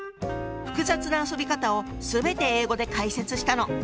複雑な遊び方を全て英語で解説したの。